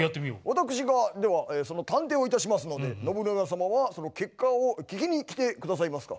私がではその探偵をいたしますので信長様はその結果を聞きに来て下さいますか。